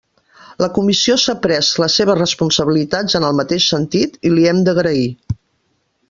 La Comissió s'ha pres les seves responsabilitats en el mateix sentit i li hem d'agrair.